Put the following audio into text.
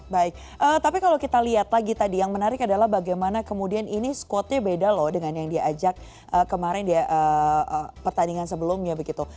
baik tapi kalau kita lihat lagi tadi yang menarik adalah bagaimana kemudian ini squadnya beda loh dengan yang diajak kemarin di pertandingan sebelumnya begitu